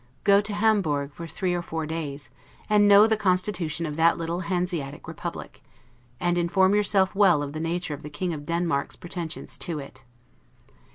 Go to Hamburg for three or four days, and know the constitution of that little Hanseatic Republic, and inform yourself well of the nature of the King of Denmark's pretensions to it.